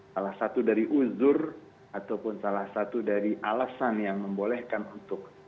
salah satu dari uzur ataupun salah satu dari alasan yang membolehkan untuk